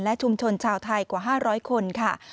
และชุมชนชาวไทยกว่า๕๐๐คนค่ะ